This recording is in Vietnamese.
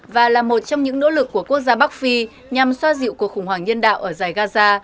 và là một trong những nỗ lực của quốc gia bắc phi nhằm xoa dịu cuộc khủng hoảng nhân đạo ở giải gaza